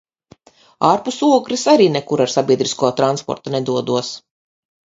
Ārpus Ogres arī nekur ar sabiedrisko transportu nedodos.